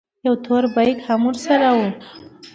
يو تور بېګ هم ورسره و.